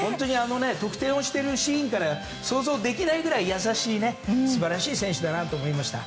得点をしているシーンから想像できないぐらい優しい素晴らしい選手だなと思いました。